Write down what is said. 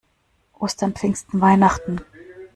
Ostern, Pfingsten, Weihnachten.